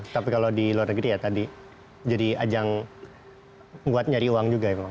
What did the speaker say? tapi kalau di luar negeri ya tadi jadi ajang buat nyari uang juga emang